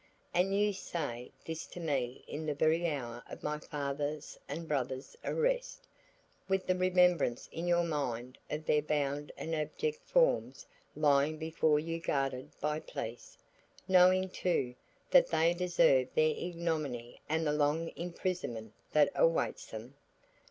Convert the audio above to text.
"And you say this to me in the very hour of my father's and brother's arrest! With the remembrance in your mind of their bound and abject forms lying before you guarded by police; knowing too, that they deserve their ignominy and the long imprisonment that awaits them?"